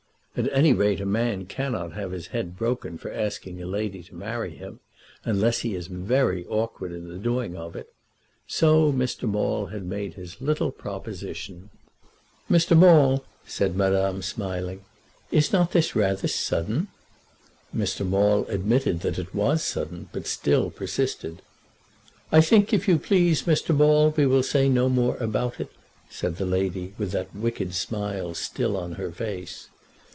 At any rate a man cannot have his head broken for asking a lady to marry him, unless he is very awkward in the doing of it. So Mr. Maule made his little proposition. "Mr. Maule," said Madame, smiling, "is not this rather sudden?" Mr. Maule admitted that it was sudden, but still persisted. "I think, if you please, Mr. Maule, we will say no more about it," said the lady, with that wicked smile still on her face.